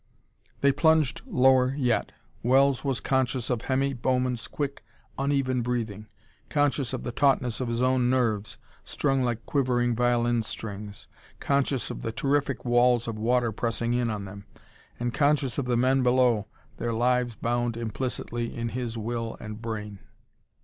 They plunged lower yet. Wells was conscious of Hemmy Bowman's quick, uneven breathing. Conscious of the tautness of his own nerves, strung like quivering violin strings. Conscious of the terrific walls of water pressing in on them. And conscious of the men below, their lives bound implicitly in his will and brain....